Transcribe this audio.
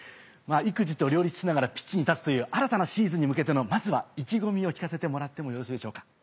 育児と両立しながらピッチに立つという新たなシーズンに向けてのまずは意気込みを聞かせてもらってもよろしいでしょうか？